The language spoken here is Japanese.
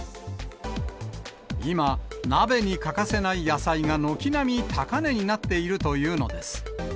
今、鍋に欠かせない野菜が軒並み高値になっているというのです。